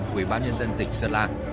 quỹ ban nhân dân tỉnh sơn la